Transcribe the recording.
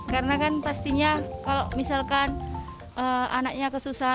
karena kan pastinya kalau misalkan anaknya keseluruhan